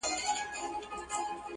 او تر سپين لاس يې يو تور ساعت راتاو دی_